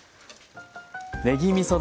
ねぎみそ